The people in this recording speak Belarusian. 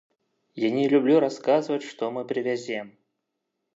Я не люблю расказваць, што мы прывязем.